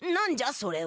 それは。